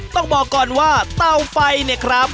ต้องบอกก่อนว่าเตาไฟเนี่ยครับ